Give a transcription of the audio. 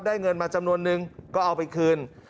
เงินมาจำนวนนึงก็เอาไปคืน